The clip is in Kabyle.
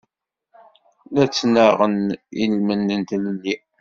La ttnaɣen i lmend n tlelli.